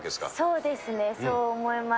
そうですね、そう思います。